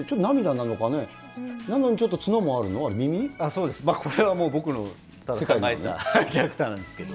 なのにちょっと角もあるのは、そうです、これはもう僕の描いたキャラクターなんですけど。